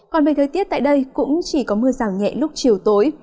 còn về thời tiết tại đây cũng chỉ có mưa rào nhẹ lúc chiều tối